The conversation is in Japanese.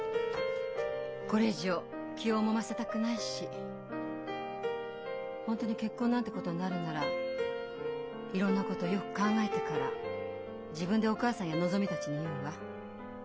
これ以上気をもませたくないし本当に結婚なんてことになるんならいろんなことよく考えてから自分でお義母さんやのぞみたちに言うわ。